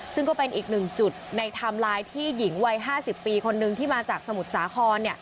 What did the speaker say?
ซึ่งก็เป็นอีกหนึ่งจุดในไทม์ไลน์ที่หญิงวัย๕๐ปีคนนึงที่มาจากสมุทรสาคร